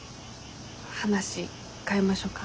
話変えましょか？